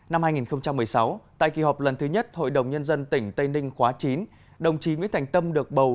năm hai nghìn một mươi sáu tại kỳ họp lần thứ nhất hội đồng nhân dân tỉnh tây ninh khóa chín đồng chí nguyễn thành tâm được bầu